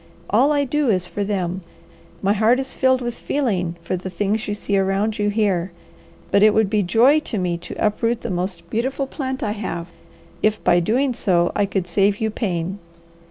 All I do is for them. My heart is filled with feeling for the things you see around you here, but it would be joy to me to uproot the most beautiful plant I have if by so doing I could save you pain.